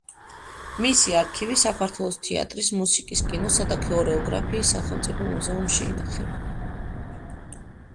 მისი არქივი საქართველოს თეატრის, მუსიკის, კინოსა და ქორეოგრაფიის სახელმწიფო მუზეუმში ინახება.